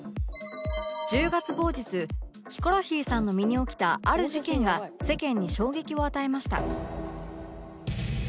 １０月某日ヒコロヒーさんの身に起きたある事件が世間に衝撃を与えました